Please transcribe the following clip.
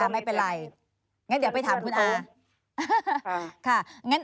ไม่เป็นไรเดี๋ยวไปถามคุณน้า